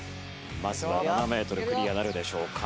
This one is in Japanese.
まずは７メートルクリアなるでしょうか？